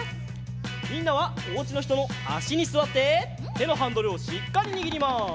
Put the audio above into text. みんなはおうちのひとのあしにすわっててのハンドルをしっかりにぎります。